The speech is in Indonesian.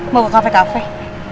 ya udah upgraded nih